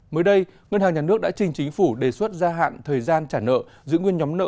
mới đây ngân hàng nhà nước đã trình chính phủ đề xuất gia hạn thời gian trả nợ giữ nguyên nhóm nợ